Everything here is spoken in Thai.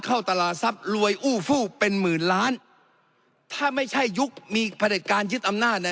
เข้าตลาดทรัพย์รวยอู้ฟู้เป็นหมื่นล้านถ้าไม่ใช่ยุคมีผลิตการยึดอำนาจนะ